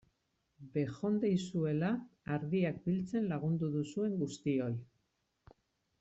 Bejondeizuela ardiak biltzen lagundu duzuen guztioi!